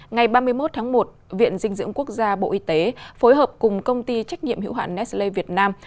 ngày ba mươi một tháng một viện dinh dưỡng quốc gia bộ y tế phối hợp cùng công ty trách nhiệm hữu hạn nesle việt nam